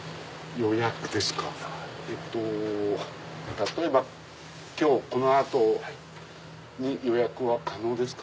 例えば今日この後に予約は可能ですか？